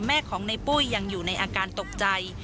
แม่ของในปุ้ยยังอยู่ในอาการตกใจ